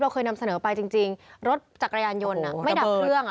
เคยนำเสนอไปจริงรถจักรยานยนต์ไม่ดับเครื่อง